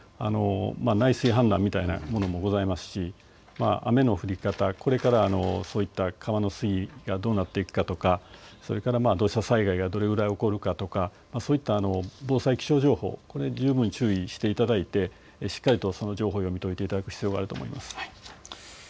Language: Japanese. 内水氾濫というものもございますし雨の降り方、これからそういった川の水位がどうなっていくかとかそれから土砂災害がどれくらい起こるかとかそういった防災気象情報に十分注意していただいて、しっかりとその情報を読み取っていただく必要があると思います。